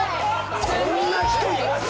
そんな人います？